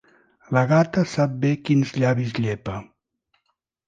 La gata sap bé quins llavis llepa.